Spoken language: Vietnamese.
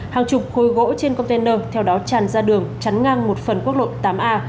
hàng chục khối gỗ trên container theo đó tràn ra đường chắn ngang một phần quốc lộ tám a